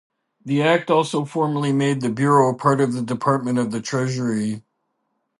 The act also formally made the bureau part of the Department of the Treasury.